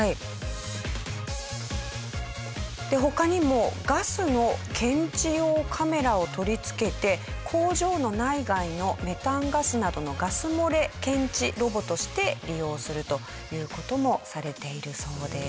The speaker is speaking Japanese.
他にもガスの検知用カメラを取り付けて工場の内外のメタンガスなどのガス漏れ検知ロボとして利用するという事もされているそうです。